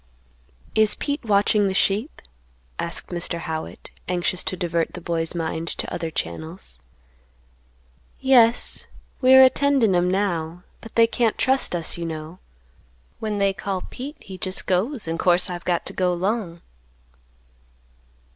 "Is Pete watching the sheep?" asked Mr. Howitt, anxious to divert the boy's mind to other channels. "Yes, we're a tendin' 'em now; but they can't trust us, you know; when they call Pete, he just goes, and course I've got to go 'long."